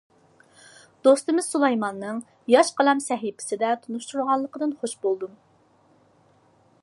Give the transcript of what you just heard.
دوستىمىز سۇلايماننىڭ «ياش قەلەم» سەھىپىسىدە تونۇشتۇرۇلغانلىقىدىن خوش بولدۇم.